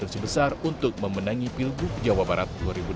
dia memiliki potensi besar untuk memenangi pilgub jawa barat dua ribu delapan belas